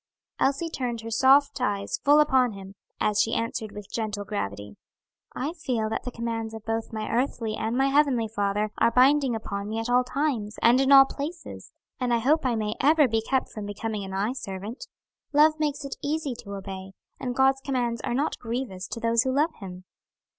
Elsie turned her soft eyes full upon him, as she answered with gentle gravity: "I feel that the commands of both my earthly and my heavenly Father are binding upon me at all times, and in all places, and I hope I may ever be kept from becoming an eye servant. Love makes it easy to obey, and God's commands are not grievous to those who love him."